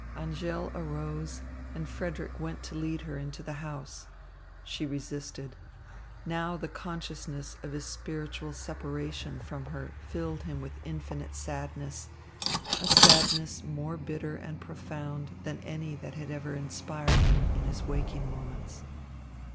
Angèle arose and Frederick went to lead her into the house. She resisted. Now the consciousness of his spiritual separation from her filled him with infinite sadness, a sadness more bitter and profound than any that had ever inspired him in his waking moments.